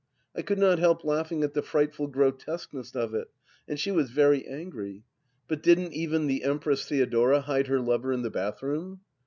I could not help laughing at the frightful grotesqueness of it, and she was very angry. But didn't even the Empress Theodora hide her lover in the bathroom